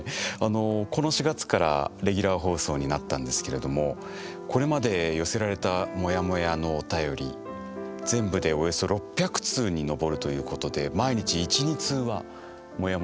この４月からレギュラー放送になったんですけれどもこれまで寄せられたモヤモヤのお便り全部でおよそ６００通に上るということで毎日１２通はモヤモヤが届いている。